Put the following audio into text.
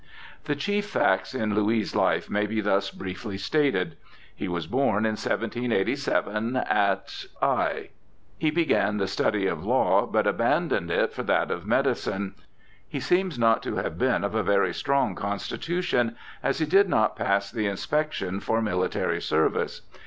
The chief facts in Louis' life may be thus briefly stated. He was born in 1787 at Ai. He began the study of law, but abandoned it for that of medicine. He seems not to have been of a very strong constitu tion, as he did not pass the inspection for military service.